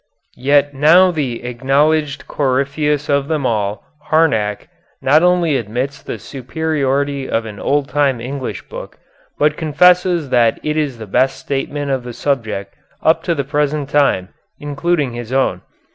Yet now the acknowledged coryphæus of them all, Harnack, not only admits the superiority of an old time English book, but confesses that it is the best statement of the subject up to the present time, including his own.